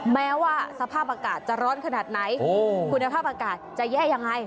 แม้ว่าสภาพอากาศจะร้อนขนาดไหนคุณภาพอากาศจะแย่ยังไง